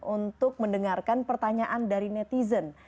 untuk mendengarkan pertanyaan dari netizen